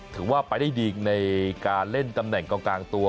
ถือว่าไปได้ดีในการเล่นตำแหน่งกองกลางตัว